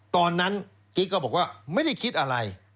กิ๊กก็บอกว่าไม่ได้คิดอะไร